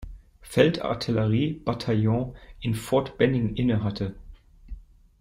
Feldartillerie-Bataillon in Fort Benning innehatte.